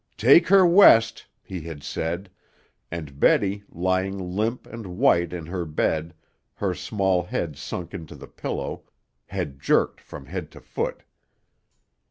"Take her West," he had said, and Betty, lying limp and white in her bed, her small head sunk into the pillow, had jerked from head to foot.